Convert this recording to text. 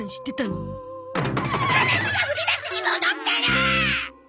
話が振り出しに戻ってる！